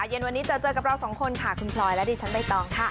เย็นวันนี้เจอเจอกับเราสองคนค่ะคุณพลอยและดิฉันใบตองค่ะ